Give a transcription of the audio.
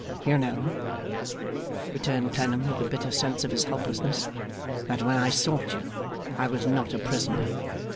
'You know,' returned Clennam, with a bitter sense of his helplessness, 'that when I sought you, I was not a prisoner.